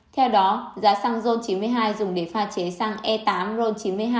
theo đó giá xăng rôn chín mươi hai dùng để pha chế xăng e tám ron chín mươi hai